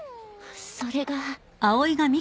それが。